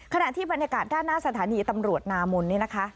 ขณะที่บรรยากาศด้านหน้าสถานีตำรวจนามนนี่นะคะ